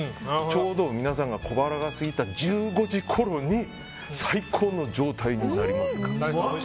ちょうど皆さんが小腹がすいた１５時ごろに最高の状態になりますからと。